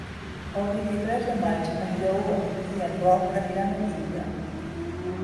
El vint-i-tres de maig en Lleó i en Roc aniran a Biure.